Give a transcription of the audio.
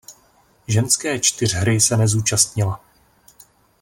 Ženské čtyřhry se nezúčastnila.